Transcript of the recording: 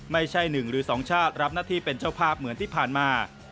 ไม่ใช่๑หรือ๒ชาติรับหน้าที่เป็นเจ้าภาพเหมือนที่ผ่านมา